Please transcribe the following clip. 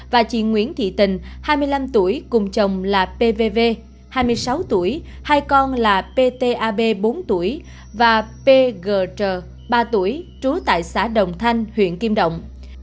và chị nguyễn thị tình hai mươi năm tuổi cùng chồng là p v v hai mươi sáu tuổi hai con là p t a b bốn tuổi và p g tr ba tuổi trú tại xã đồng thanh huyện kim động